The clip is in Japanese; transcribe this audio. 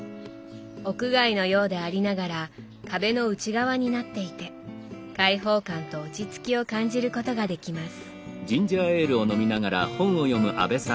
屋外のようでありながら壁の内側になっていて開放感と落ち着きを感じることができます。